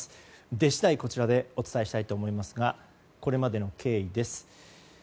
出次第、こちらでお伝えしたいと思いますがこれまでの経緯です。